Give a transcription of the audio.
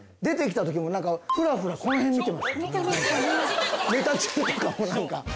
出てきたときもなんかフラフラこの辺見てました。